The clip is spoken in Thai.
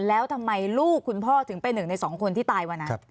แล้วทำไมลูกคุณพ่อถึงเป็นหนึ่งในสองคนที่ตายวันนั้น